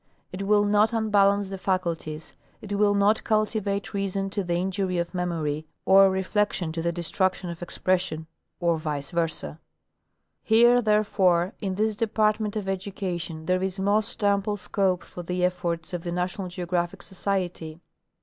It will not unbalance the faculties ; it will not cultivate reason to the injury of memory, or reflection to the destruction of expression, or vice versa. Here, therefore, in this Department of Education, there is most ample scope for the efforts of the National Geographic Society, Objects of the Society.